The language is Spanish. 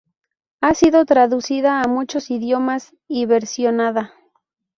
Ha sido traducida a muchos idiomas y versionada.